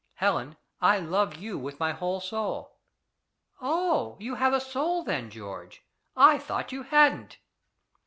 Helen, I love you with my whole soul." "Oh! you have a soul, then, George? I thought you hadn't!"